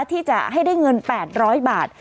ที่จะให้ได้เงิน๘๐๐บาท